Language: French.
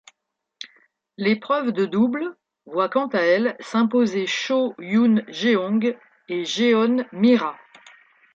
L'épreuve de double voit quant à elle s'imposer Cho Yoon-jeong et Jeon Mi-ra.